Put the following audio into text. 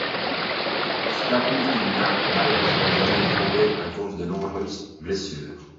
Statut qu'il n'a malheureusement jamais prouvé à cause de nombreuses blessures.